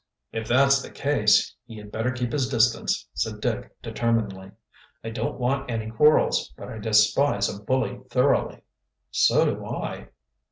"If that's the case, he had better keep his distance," said Dick determinedly. "I don't want any quarrels, but I despise a bully thoroughly." "So do I."